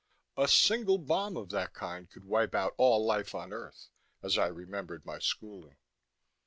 A single bomb of that kind could wipe out all life on Earth, as I remembered my schooling.